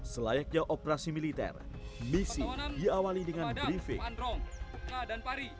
selayaknya operasi militer misi diawali dengan briefing